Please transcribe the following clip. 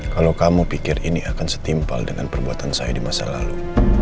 kalau kamu pikir ini akan setimpal dengan perbuatan saya di masa lalu